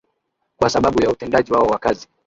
kwa sababu ya utendaji wao wa kazi